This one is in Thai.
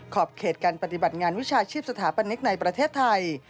ขอบเขตการปฏิบัติงานวิชาชีพสถาปนิกในประเทศไทย